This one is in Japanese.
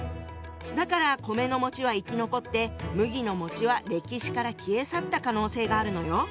だから米のは生き残って麦のは歴史から消え去った可能性があるのよ。